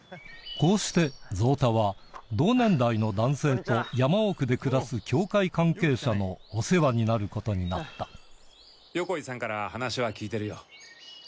こうして造田は同年代の男性と山奥で暮らすのお世話になることになった疲れたでしょ？